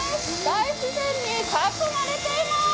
大自然に囲まれています！